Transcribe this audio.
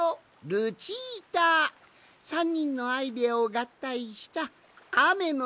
ルチータ３にんのアイデアをがったいした「あめのひ